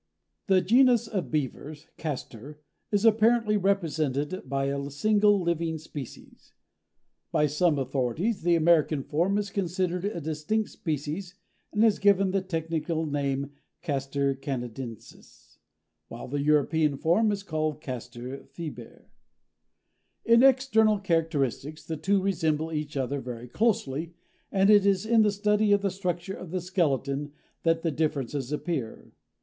The genus of Beavers (Castor) is apparently represented by a single living species. By some authorities the American form is considered a distinct species and is given the technical name Castor canadensis, while the European form is called Castor fiber. In external characteristics the two resemble each other very closely, and it is in the study of the structure of the skeleton that the differences appear.